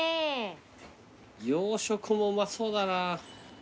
洋食もうまそうだな。